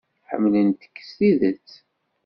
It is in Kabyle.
Ḥemmlent-k s tidet.